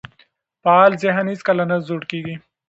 فعال ذهن هیڅکله نه زوړ کیږي.